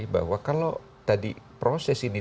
bahwa kalau tadi proses ini